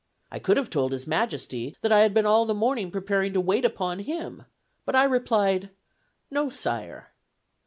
I could have told his Majesty that I had been all the morning preparing to wait upon him; but I replied, 'No, Sire.'